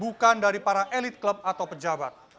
bukan dari para elit klub atau pejabat